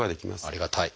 ありがたい。